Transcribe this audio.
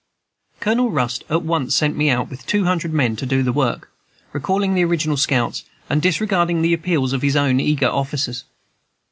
Colonel Rust at once sent me out with two hundred men to do the work, recalling the original scouts, and disregarding the appeals of his own eager officers.